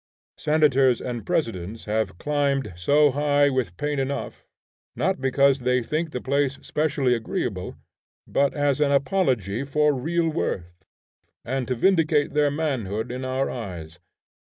Senators and presidents have climbed so high with pain enough, not because they think the place specially agreeable, but as an apology for real worth, and to vindicate their manhood in our eyes.